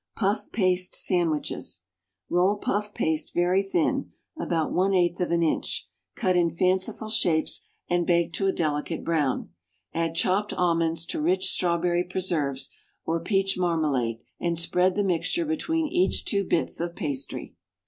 =Puff Paste Sandwiches.= Roll puff paste very thin (about one eighth of an inch), cut in fanciful shapes and bake to a delicate brown; add chopped almonds to rich strawberry preserves, or peach marmalade, and spread the mixture between each two bits of pastry.